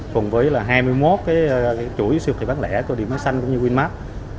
cùng với hai mươi một chuỗi siêu thị bán lẻ có điểm máy xanh cũng như windmap